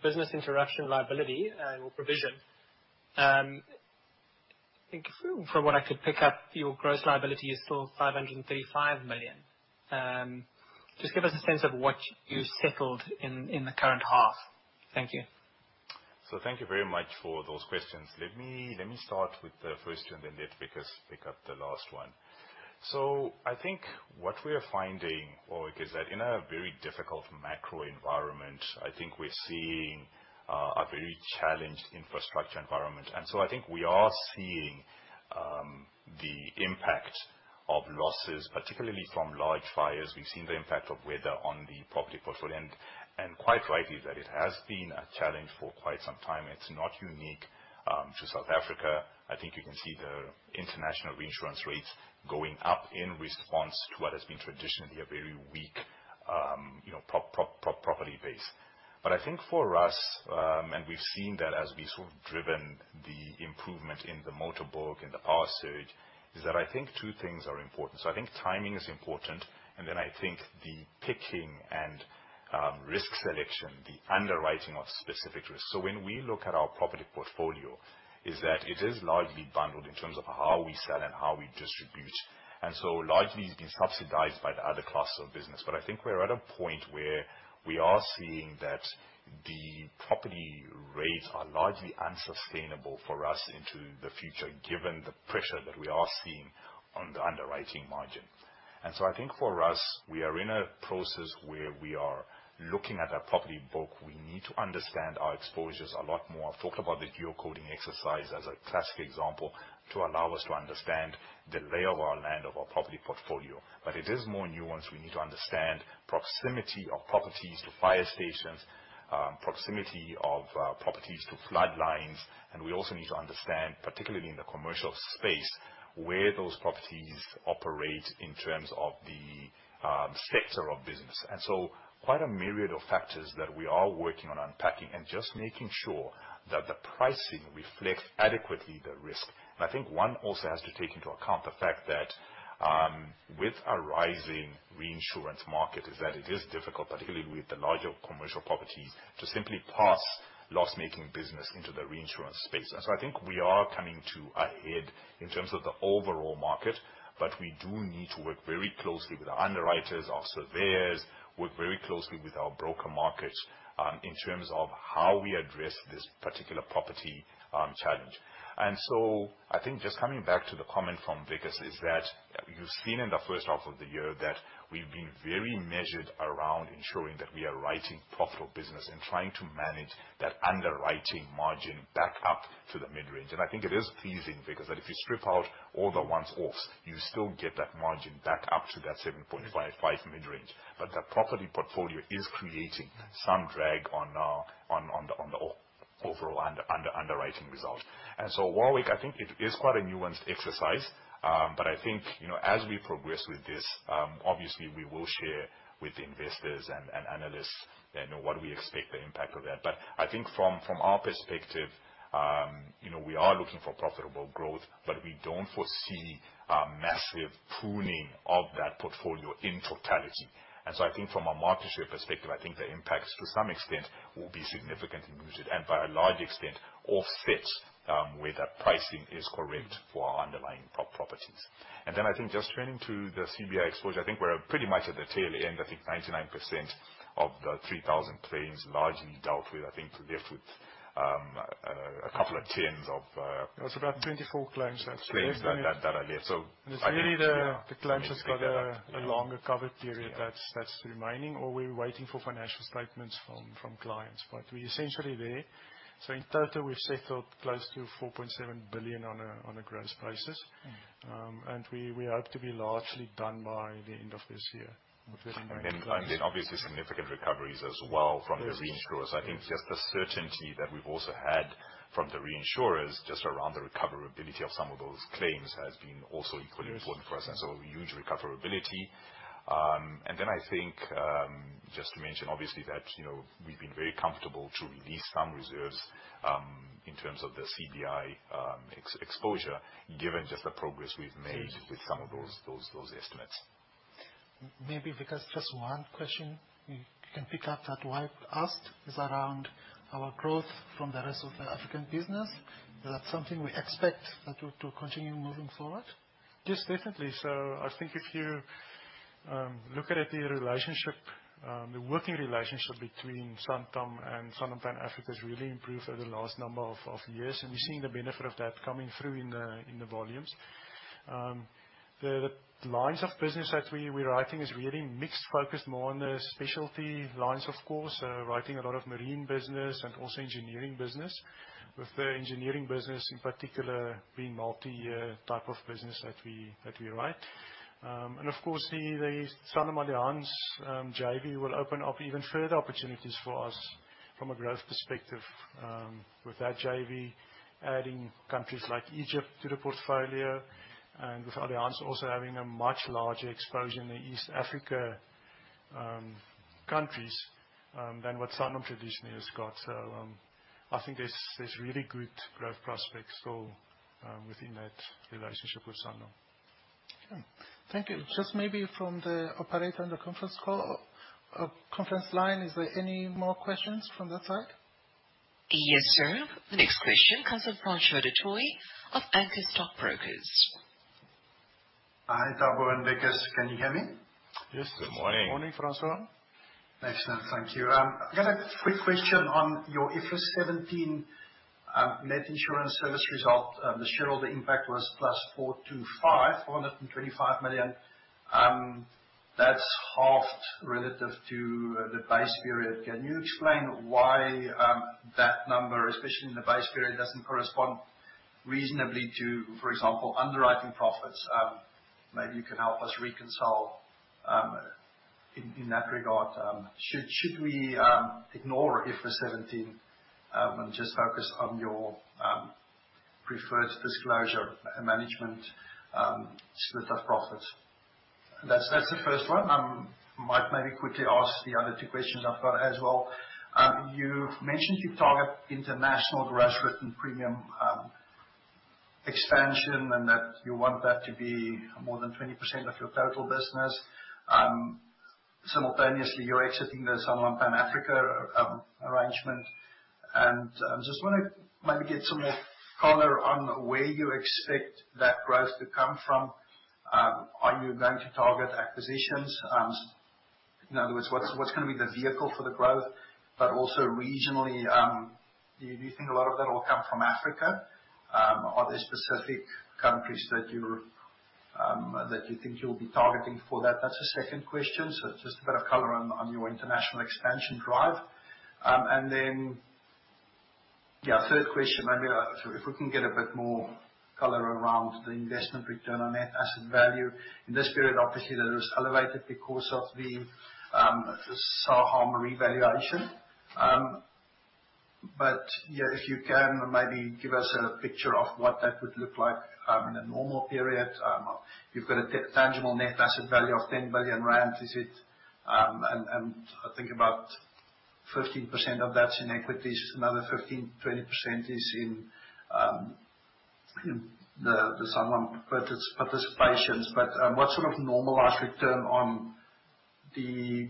business interruption liability, or provision, I think from what I could pick up, your gross liability is still 535 million. Just give us a sense of what you settled in the current half. Thank you. Thank you very much for those questions. Let me start with the first two and then let Wikus pick up the last one. I think what we're finding, Warwick, is that in a very difficult macro environment, I think we're seeing a very challenged infrastructure environment. I think we are seeing the impact of losses, particularly from large fires. We've seen the impact of weather on the property portfolio, and quite rightly, that it has been a challenge for quite some time. It's not unique to South Africa. I think you can see the international reinsurance rates going up in response to what has been traditionally a very weak property base. I think for us, and we've seen that as we've sort of driven the improvement in the motor book and the power surge, is that I think two things are important. I think timing is important, and then I think the picking and risk selection, the underwriting of specific risks. When we look at our property portfolio, is that it is largely bundled in terms of how we sell and how we distribute. Largely, it's been subsidized by the other classes of business. I think we're at a point where we are seeing that the property rates are largely unsustainable for us into the future, given the pressure that we are seeing on the underwriting margin. I think for us, we are in a process where we are looking at our property book. We need to understand our exposures a lot more. I've talked about the geocoding exercise as a classic example to allow us to understand the lay of our land of our property portfolio. It is more nuanced. We need to understand proximity of properties to fire stations, proximity of properties to flood lines, and we also need to understand, particularly in the commercial space, where those properties operate in terms of the sector of business. Quite a myriad of factors that we are working on unpacking and just making sure that the pricing reflects adequately the risk. I think one also has to take into account the fact that, with a rising reinsurance market, is that it is difficult, particularly with the larger commercial properties, to simply pass loss-making business into the reinsurance space. I think we are coming to a head in terms of the overall market, we do need to work very closely with our underwriters, our surveyors, work very closely with our broker market, in terms of how we address this particular property challenge. I think just coming back to the comment from Wikus is that you've seen in the first half of the year that we've been very measured around ensuring that we are writing profitable business and trying to manage that underwriting margin back up to the mid-range. I think it is pleasing, Wikus, that if you strip out all the one-offs, you still get that margin back up to that 7.55% mid-range. The property portfolio is creating some drag on the overall underwriting result. Warwick, I think it is quite a nuanced exercise, I think, as we progress with this, obviously we will share with investors and analysts what we expect the impact of that. I think from our perspective, we are looking for profitable growth, we don't foresee a massive pruning of that portfolio in totality. I think from a market share perspective, I think the impacts to some extent will be significantly muted, by a large extent offset, where the pricing is correct for our underlying properties. I think just turning to the CBI exposure, I think we're pretty much at the tail end. I think 99% of the 3,000 claims largely dealt with, I think we're left with a couple of tens of- There's about 24 claims left. Claims that are left. I think- It's really the claims that's got a longer cover period that's remaining, or we're waiting for financial statements from clients. We're essentially there. In total, we've settled close to 4.7 billion on a gross basis. We hope to be largely done by the end of this year with the remaining claims. Obviously significant recoveries as well from the reinsurers. I think just the certainty that we've also had from the reinsurers just around the recoverability of some of those claims has been also equally important for us. A huge recoverability. I think, just to mention obviously that we've been very comfortable to release some reserves, in terms of the CBI exposure, given just the progress we've made with some of those estimates. Maybe, Wikus, just one question you can pick up that Warwick asked is around our growth from the rest of the African business. Is that something we expect to continue moving forward? Yes, definitely. I think if you Looking at the relationship, the working relationship between Santam and Sanlam Pan Africa has really improved over the last number of years, and we're seeing the benefit of that coming through in the volumes. The lines of business that we're writing is really mixed, focused more on the specialty lines, of course. Writing a lot of marine business and also engineering business, with the engineering business in particular being multi-year type of business that we write. Of course, the Sanlam Allianz JV will open up even further opportunities for us from a growth perspective, with that JV adding countries like Egypt to the portfolio, and with Allianz also having a much larger exposure in the East Africa countries, than what Sanlam traditionally has got. I think there's really good growth prospects still within that relationship with Sanlam. Okay, thank you. Just maybe from the operator on the conference line, is there any more questions from that side? Yes, sir. The next question comes from Francois du Toit of Anchor Stockbrokers. Hi, Tava and Wikus. Can you hear me? Yes. Good morning. Morning, Francois. Excellent. Thank you. I've got a quick question on your IFRS 17 net insurance service result. The shareholder impact was plus 425 million. That's halved relative to the base period. Can you explain why that number, especially in the base period, doesn't correspond reasonably to, for example, underwriting profits? Maybe you can help us reconcile, in that regard. Should we ignore IFRS 17 and just focus on your preferred disclosure management, split of profits? That's the first one. Might maybe quickly ask the other two questions I've got as well. You've mentioned you target international gross written premium expansion and that you want that to be more than 20% of your total business. Simultaneously, you're exiting the Sanlam Pan Africa arrangement. I just want to maybe get some more color on where you expect that growth to come from. Are you going to target acquisitions? In other words, what's going to be the vehicle for the growth? Also regionally, do you think a lot of that will come from Africa? Are there specific countries that you think you'll be targeting for that? That's the second question. Just a bit of color on your international expansion drive. Then, third question, maybe if we can get a bit more color around the investment return on net asset value. In this period, obviously that is elevated because of the SGI revaluation. If you can maybe give us a picture of what that would look like in a normal period. You've got a tangible net asset value of 10 billion rand. I think about 15% of that's in equities. Another 15%-20% is in the Sanlam participations. What sort of normalized return on the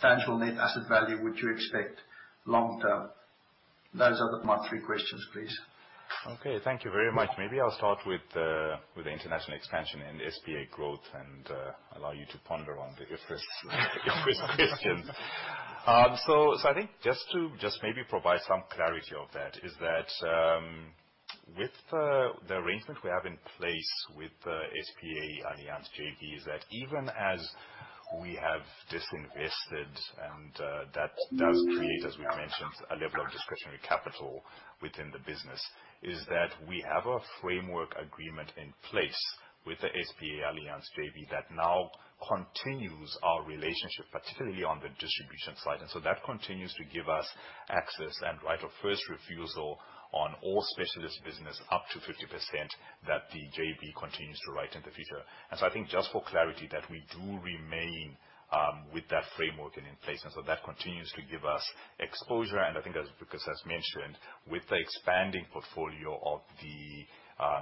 tangible net asset value would you expect long term? Those are my three questions, please. Okay. Thank you very much. Maybe I'll start with the international expansion and SPA growth and allow you to ponder on the IFRS questions. I think just to maybe provide some clarity of that is that, with the arrangement we have in place with the SPA Allianz JV, is that even as we have disinvested and that does create, as we mentioned, a level of discretionary capital within the business, is that we have a framework agreement in place with the SPA Allianz JV that now continues our relationship, particularly on the distribution side. That continues to give us access and right of first refusal on all specialist business up to 50%, that the JV continues to write into future. I think just for clarity, that we do remain with that framework in place, that continues to give us exposure. I think as Wikus has mentioned, with the expanding portfolio of the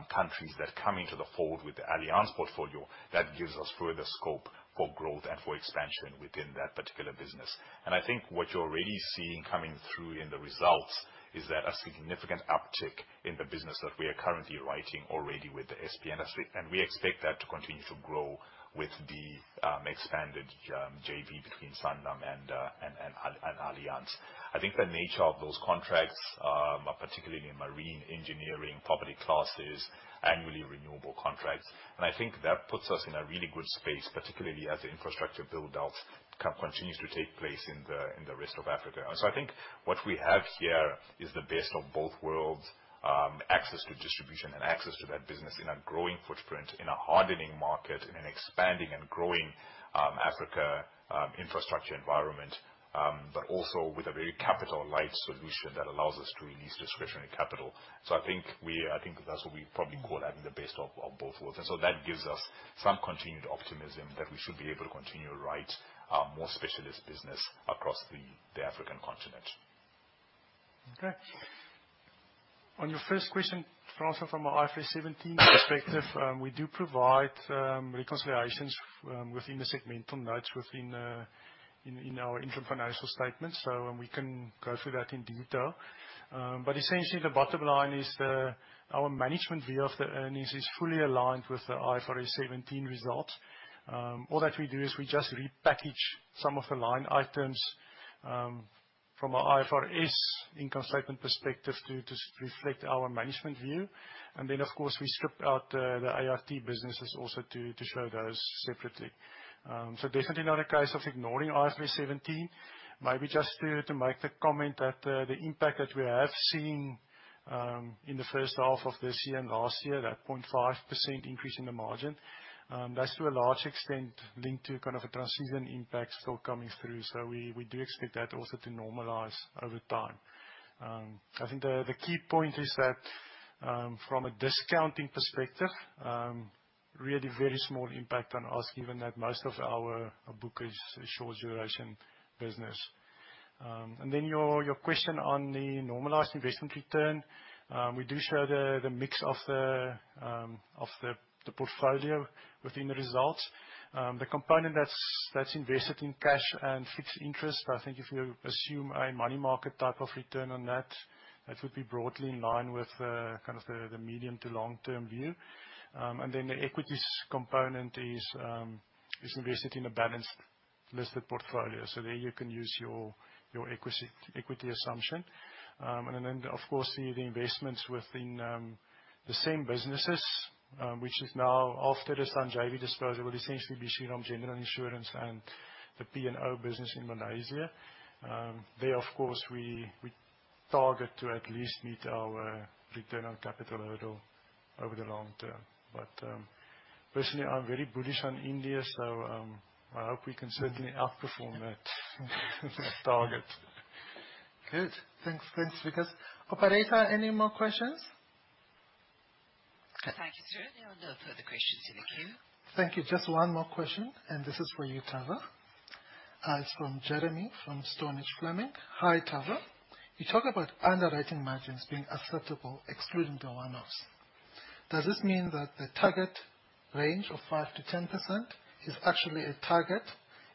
countries that come into the fold with the Allianz portfolio, that gives us further scope for growth and for expansion within that particular business. I think what you're really seeing coming through in the results is that a significant uptick in the business that we are currently writing already with the SPA, and we expect that to continue to grow with the expanded JV between Sanlam and Allianz. I think the nature of those contracts, particularly in marine engineering, property classes, annually renewable contracts. I think that puts us in a really good space, particularly as the infrastructure build-out continues to take place in the rest of Africa. I think what we have here is the best of both worlds. Access to distribution and access to that business in a growing footprint, in a hardening market, in an expanding and growing Africa infrastructure environment. Also with a very capital light solution that allows us to release discretionary capital. I think that's what we probably call having the best of both worlds. That gives us some continued optimism that we should be able to continue to write more specialist business across the African continent. Okay. On your first question, Francois, from a IFRS 17 perspective, we do provide reconciliations within the segmental notes within our interim financial statements. We can go through that in detail. Essentially, the bottom line is our management view of the earnings is fully aligned with the IFRS 17 results. All that we do is we just repackage some of the line items from a IFRS income statement perspective to reflect our management view. Of course, we strip out the ART businesses also to show those separately. Definitely not a case of ignoring IFRS 17. Maybe just to make the comment that the impact that we have seen, in the first half of this year and last year, that 0.5% increase in the margin. That's to a large extent linked to kind of a transition impact still coming through. We do expect that also to normalize over time. The key point is that, from a discounting perspective, really very small impact on us, given that most of our book is a short duration business. Your question on the normalized investment return. We do show the mix of the portfolio within the results. The component that's invested in cash and fixed interest, if you assume a money market type of return on that would be broadly in line with the medium to long-term view. The equities component is invested in a balanced listed portfolio. There you can use your equity assumption. Of course, the investments within the same businesses, which is now after the Sanlam Allianz JV disposal, will essentially be Shriram General Insurance and the P&O business in Malaysia. There, of course, we target to at least meet our return on capital hurdle over the long term. Personally, I'm very bullish on India, I hope we can certainly outperform that target. Good. Thanks, Wikus. Operator, any more questions? Thank you, sir. There are no further questions in the queue. Thank you. Just one more question, this is for you, Thava. It is from Jeremy, from Stonehage Fleming. Hi, Thava. You talk about underwriting margins being acceptable, excluding the one-offs. Does this mean that the target range of 5%-10% is actually a target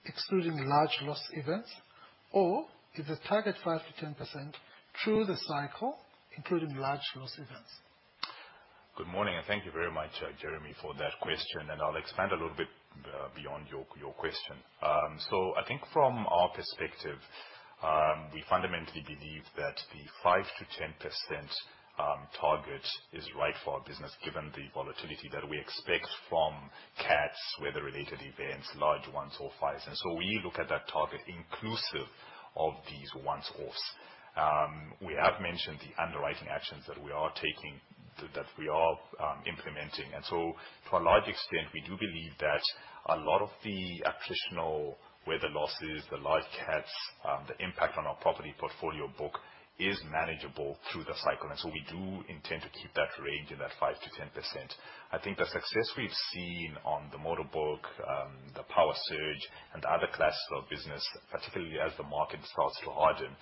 excluding large loss events? Is the target 5%-10% through the cycle, including large loss events? Good morning, thank you very much, Jeremy, for that question, I will expand a little bit beyond your question. I think from our perspective, we fundamentally believe that the 5%-10% target is right for our business, given the volatility that we expect from cats, weather-related events, large ones or fires. We look at that target inclusive of these one-offs. We have mentioned the underwriting actions that we are taking, that we are implementing. To a large extent, we do believe that a lot of the attritional weather losses, the large cats, the impact on our property portfolio book is manageable through the cycle. We do intend to keep that range in that 5%-10%. I think the success we have seen on the motor book, the power surge, and other classes of business, particularly as the market starts to harden,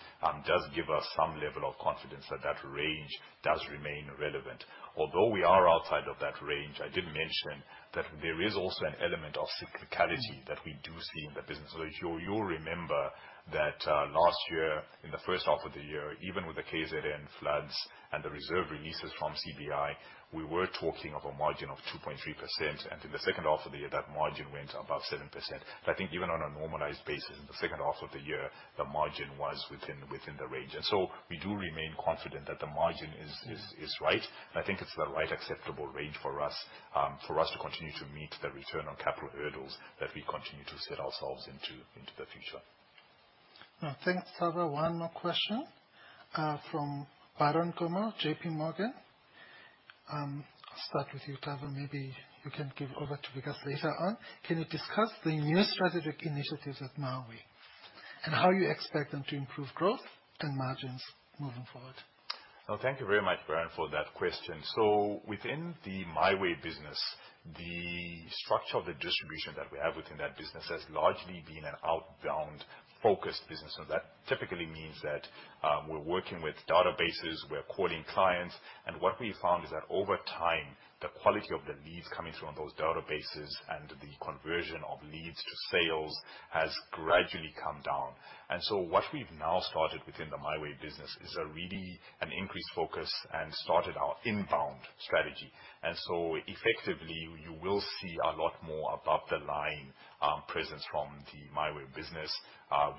does give us some level of confidence that that range does remain relevant. Although we are outside of that range, I did mention that there is also an element of cyclicality that we do see in the business. You will remember that last year, in the first half of the year, even with the KwaZulu-Natal floods and the reserve releases from CBI, we were talking of a margin of 2.3%, in the second half of the year, that margin went above 7%. I think even on a normalized basis in the second half of the year, the margin was within the range. We do remain confident that the margin is right, I think it is the right acceptable range for us to continue to meet the return on capital hurdles that we continue to set ourselves into the future. Thanks, Thava. One more question, from Byron Gomo, JP Morgan. I'll start with you, Thava. Maybe you can give over to Wikus later on. Can you discuss the new strategic initiatives at MiWay and how you expect them to improve growth and margins moving forward? Thank you very much, Byron, for that question. Within the MiWay business, the structure of the distribution that we have within that business has largely been an outbound-focused business. That typically means that we're working with databases, we're calling clients. What we found is that over time, the quality of the leads coming from those databases and the conversion of leads to sales has gradually come down. What we've now started within the MiWay business is really an increased focus and started our inbound strategy. Effectively, you will see a lot more above the line presence from the MiWay business.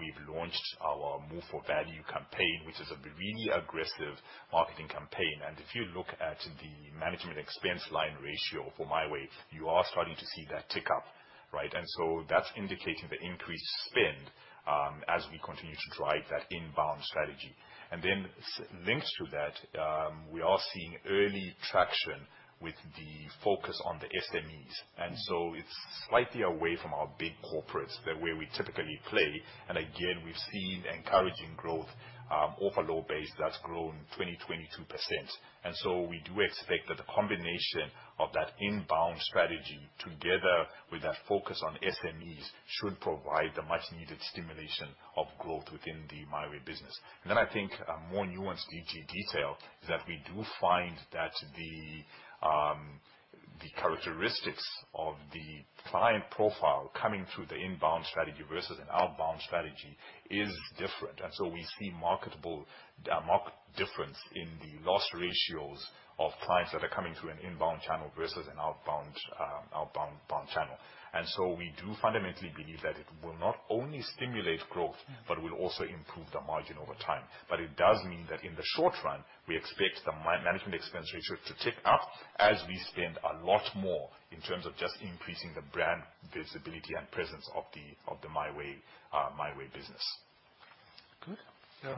We've launched our Move for Value campaign, which is a really aggressive marketing campaign. If you look at the management expense line ratio for MiWay, you are starting to see that tick up, right? That's indicating the increased spend as we continue to drive that inbound strategy. Linked to that, we are seeing early traction with the focus on the SMEs. It's slightly away from our big corporates, the way we typically play. Again, we've seen encouraging growth off a low base that's grown from 2020 2%. We do expect that the combination of that inbound strategy together with that focus on SMEs should provide the much needed stimulation of growth within the MiWay business. I think a more nuanced detail, is that we do find that the characteristics of the client profile coming through the inbound strategy versus an outbound strategy is different. We see marked difference in the loss ratios of clients that are coming through an inbound channel versus an outbound channel. We do fundamentally believe that it will not only stimulate growth, but will also improve the margin over time. It does mean that in the short run, we expect the management expense ratio to tick up as we spend a lot more in terms of just increasing the brand visibility and presence of the MiWay business. Good. Yeah.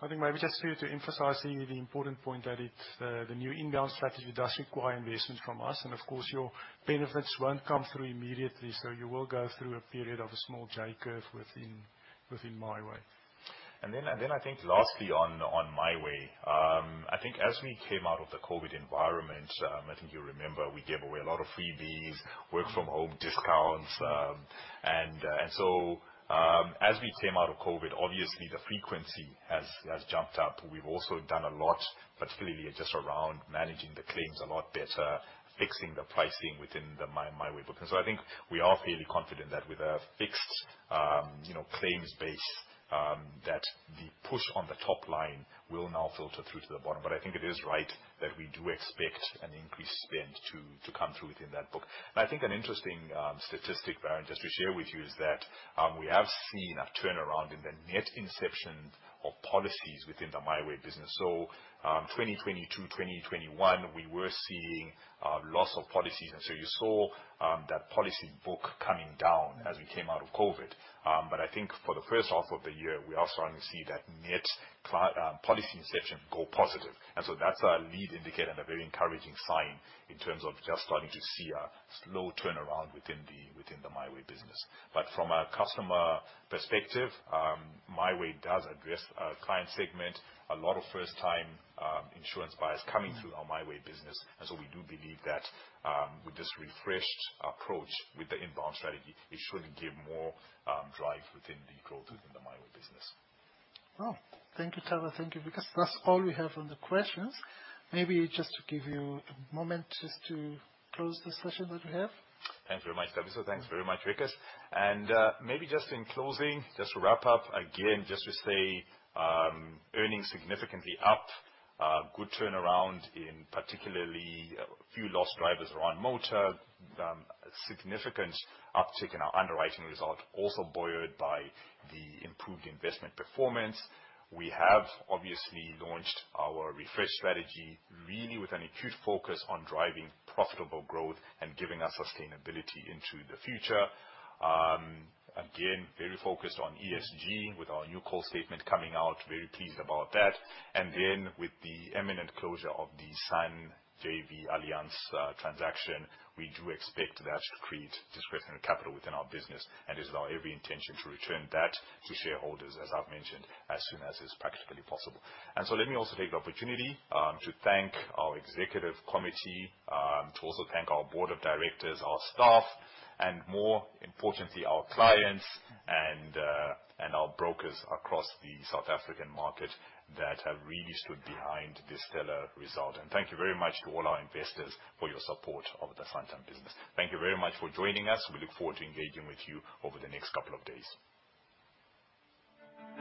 I think maybe just for you to emphasize the important point that the new inbound strategy does require investment from us. Of course, your benefits won't come through immediately. You will go through a period of a small J curve within MiWay. Lastly on MiWay, as we came out of the COVID environment, you remember we gave away a lot of freebies, work from home discounts. As we came out of COVID, obviously the frequency has jumped up. We've also done a lot, particularly just around managing the claims a lot better, fixing the pricing within the MiWay book. I think we are fairly confident that with a fixed claims base, the push on the top line will now filter through to the bottom. I think it is right that we do expect an increased spend to come through within that book. I think an interesting statistic, Byron, just to share with you, is that we have seen a turnaround in the net inception of policies within the MiWay business. 2020 to 2021, we were seeing a loss of policies, you saw that policy book coming down as we came out of COVID. I think for the first half of the year, we are starting to see that net policy inception go positive. That's a lead indicator and a very encouraging sign in terms of just starting to see a slow turnaround within the MiWay business. From a customer perspective, MiWay does address a client segment, a lot of first time insurance buyers coming through our MiWay business. We do believe that, with this refreshed approach with the inbound strategy, it should give more drive within the growth within the MiWay business. Oh, thank you, Tavaziva. Thank you, Wikus. That's all we have on the questions. Maybe just to give you a moment just to close the session that we have. Thanks very much, Thabiso. Thanks very much, Wikus. Maybe just in closing, just to wrap up, again, just to say, earnings significantly up. Good turnaround in particularly a few loss drivers around motor. Significant uptick in our underwriting result, also buoyed by the improved investment performance. We have obviously launched our refresh strategy, really with an acute focus on driving profitable growth and giving us sustainability into the future. Very focused on ESG with our new coal position statement coming out, very pleased about that. With the imminent closure of the Sanlam Allianz JV transaction, we do expect that to create discretionary capital within our business, and it is our every intention to return that to shareholders, as I've mentioned, as soon as is practically possible. Let me also take the opportunity to thank our executive committee, to also thank our board of directors, our staff, and more importantly, our clients and our brokers across the South African market that have really stood behind this stellar result. Thank you very much to all our investors for your support of the Santam business. Thank you very much for joining us. We look forward to engaging with you over the next couple of days.